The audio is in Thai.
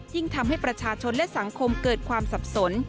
ทำให้ประชาชนและสังคมเกิดความสับสน